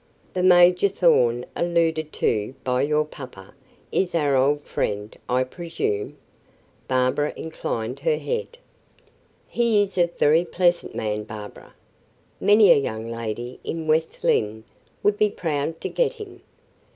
"The Major Thorn alluded to by your papa is our old friend, I presume?" Barbara inclined her head. "He is a very pleasant man, Barbara. Many a young lady in West Lynne would be proud to get him."